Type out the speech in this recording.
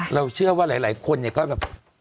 เราเชื่อว่าหลายคนเนี่ยก็แบบ